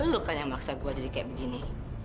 lo kan yang maksa gue jadi kayak begini